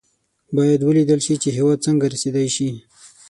باید ولېدل شي چې هېواد څنګه رسېدای شي.